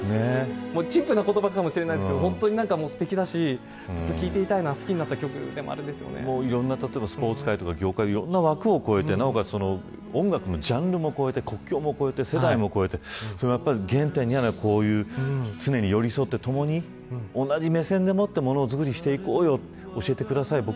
陳腐な言葉かもしれないですけどすてきだしずっと聞いていたいな好きになった曲でもいろんなスポーツ界とか業界とか枠を超えて音楽のジャンルも超えて国境も越えて、世代も超えて原点にあるのはこういう常に寄り添ってともに同じ目線でものづくりをしていこう教えてください